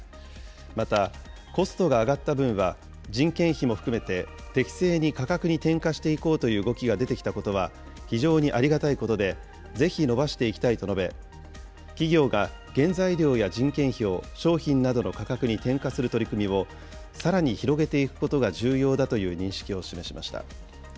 また、コストが上がった分は人件費も含めて適正に価格に転嫁していこうという動きが出てきたことは非常にありがたいことで、ぜひ伸ばしていきたいと述べ、企業が原材料や人件費を商品などの価格に転嫁する取り組みを、さらに広げていくことが重要だという認識を示しました。